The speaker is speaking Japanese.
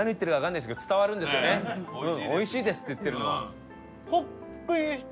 「おいしいです」って言ってるのは。